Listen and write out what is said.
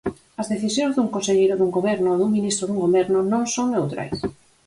As decisións dun conselleiro dun goberno, dun ministro dun goberno, non son neutrais.